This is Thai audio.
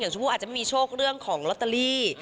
อย่างฉันพูดอาจจะไม่มีโชคเรื่องของลอตเตอรี่